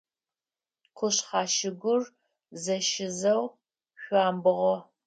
Къушъхьэ шыгур зэщизэу шъуамбгъо.